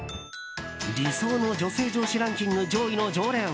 理想の女性上司ランキング上位の常連。